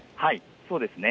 そうですね。